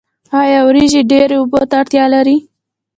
آیا وریجې ډیرو اوبو ته اړتیا لري؟